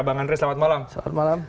bang andre selamat malam selamat malam